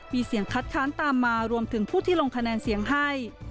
มีเสียงคัดค้านตามมารวมถึงผู้ที่ลงคะแนนเสียงให้